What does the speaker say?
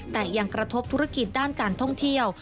แต่ยังกระทบธุรกิจด้านการท่องเที่ยว